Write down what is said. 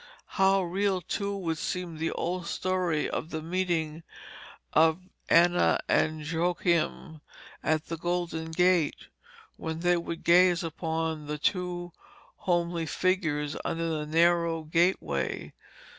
How real too would seem the old story of the meeting of Anna and Joachim at the Golden Gate, when they could gaze upon the two homely figures under the narrow gateway.